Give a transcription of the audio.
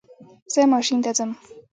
زه ماشین ته ځم